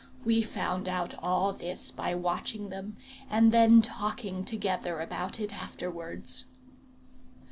We found out all this by watching them, and then talking together about it afterwards.